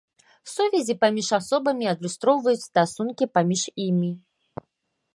Сувязі паміж асобамі адлюстроўваюць стасункі паміж імі.